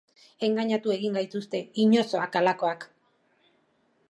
Engainatu egin zaituzte, inozoak halakoak!